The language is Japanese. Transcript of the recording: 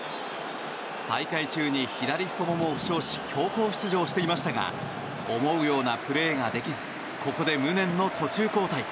大会中に左太ももを負傷し強行出場していましたが思うようなプレーができずここで無念の途中交代。